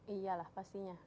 iya lah pastinya